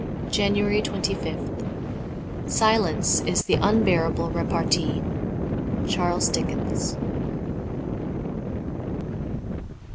'' 25 JANUARY 25th SILENCE is the unbearable repartee. ' Charles Dickens.